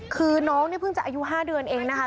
คือน้องนี่เพิ่งจะอายุ๕เดือนเองนะคะ